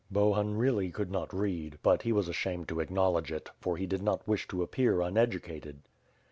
Bohun really could not read, but he was ashamed to ac knowledge it, for he did not wish to appear uneducated.